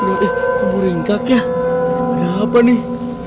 eh kok muringkak ya ada apa nih